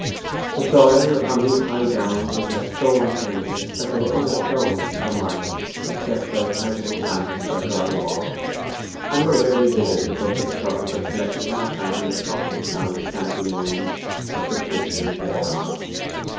The soil upon these high downs was left so untended that they were unenclosed for miles, except by a casual bank or dry wall, and were rarely visited but for the purpose of collecting or counting the flock which found a scanty means of subsistence thereon.